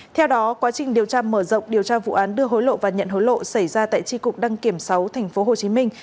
theo đó quá trình điều tra mở rộng điều tra vụ án đưa hối lộ và nhận hối lộ xảy ra tại tri cục đăng kiểm sáu thành phố hồ chí minh